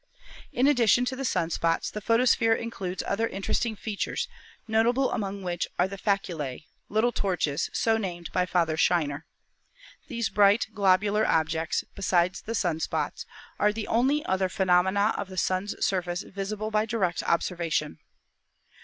In addition to the sun spots the photosphere includes other interesting features, notable among which are the 'faculae,' "little torches," so named by Father Scheiner. These bright, globular objects, besides the sun spots, are the only other phenomena of the Sun's surface visible by direct observation.